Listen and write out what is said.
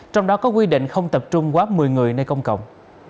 trong đó có quy định không tập trung quá một mươi người nơi công cộng